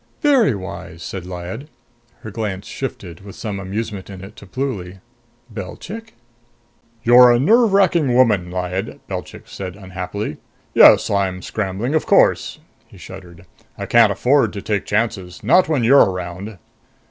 "Very wise!" said Lyad. Her glance shifted, with some amusement in it, to Pluly. "Belchik?" "You're a nerve wracking woman, Lyad," Belchik said unhappily. "Yes. I'm scrambling, of course." He shuddered. "I can't afford to take chances. Not when you're around."